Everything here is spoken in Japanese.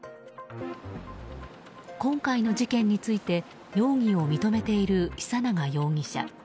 今回の事件について容疑を認めている久永容疑者。